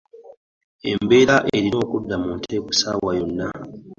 Embeera erina okudda mu nteeko ssaawa yonna.